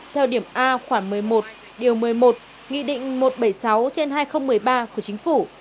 theo điểm a khoảng một mươi một điều một mươi một nghị định một trăm bảy mươi sáu trên hai nghìn một mươi ba của chính phủ